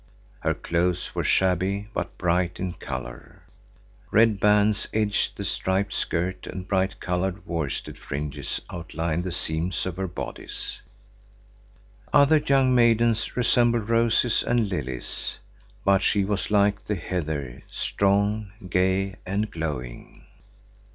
Her clothes were shabby but bright in color. Red bands edged the striped skirt and bright colored worsted fringes outlined the seams of her bodice. Other young maidens resemble roses and lilies, but she was like the heather, strong, gay and glowing.